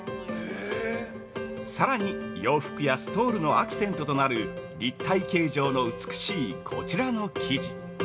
さらに洋服やストールのアクセントとなる立体形状の美しい、こちらの生地。